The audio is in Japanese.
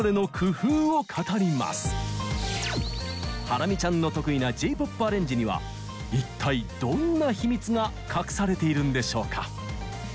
ハラミちゃんの得意なＪ−ＰＯＰアレンジには一体どんな秘密が隠されているんでしょうか？